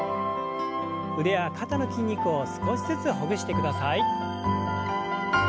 腕や肩の筋肉を少しずつほぐしてください。